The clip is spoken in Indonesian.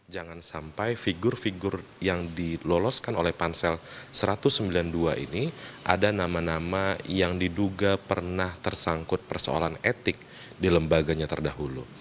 jangan sampai figur figur yang diloloskan oleh pansel satu ratus sembilan puluh dua ini ada nama nama yang diduga pernah tersangkut persoalan etik di lembaganya terdahulu